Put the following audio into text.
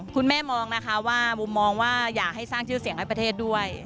คุณแม่มองนะคะว่าบุมมองว่าอยากให้สร้างชื่อเสียงให้ประเทศด้วย